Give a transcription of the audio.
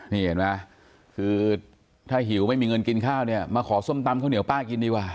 นี่เห็นไหมคือถ้าหิวไม่มีเงินกินข้าวเนี่ยมาขอส้มตำข้าวเหนียวป้ากินดีกว่า